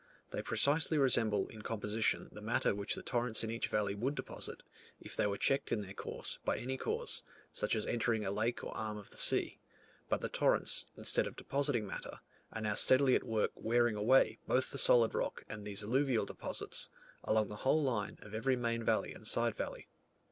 They precisely resemble in composition the matter which the torrents in each valley would deposit, if they were checked in their course by any cause, such as entering a lake or arm of the sea; but the torrents, instead of depositing matter, are now steadily at work wearing away both the solid rock and these alluvial deposits, along the whole line of every main valley and side valley.